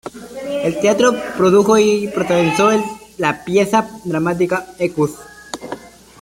En teatro produjo y protagonizó la pieza dramática Equus.